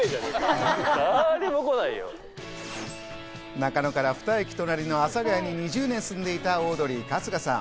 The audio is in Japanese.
中野から２駅隣の阿佐ヶ谷に２０年住んでいたオードリー・春日さん。